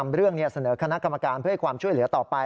เรื่องเสนอคณะกรรมการเพื่อให้ความช่วยเหลือต่อไป